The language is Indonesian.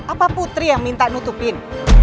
apa putri yang minta nutupin